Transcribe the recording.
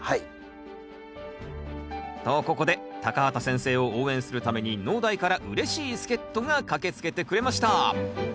とここで畑先生を応援するために農大からうれしい助っとが駆けつけてくれました